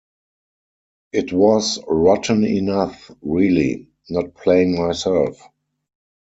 It was rotten enough, really, not playing myself.